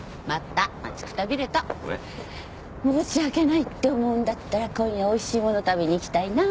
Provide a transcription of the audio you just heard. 申し訳ないって思うんだったら今夜おいしいもの食べに行きたいな。